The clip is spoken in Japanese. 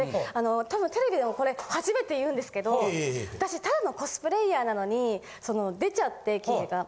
たぶんテレビでもこれ初めて言うんですけど私ただのコスプレイヤーなのに出ちゃって記事が。